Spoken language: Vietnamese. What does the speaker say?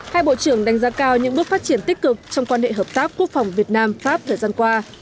hai bộ trưởng đánh giá cao những bước phát triển tích cực trong quan hệ hợp tác quốc phòng việt nam pháp thời gian qua